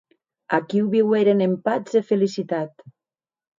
Aquiu viueren en patz e felicitat.